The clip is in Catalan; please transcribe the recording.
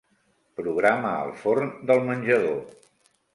Programa el forn del menjador.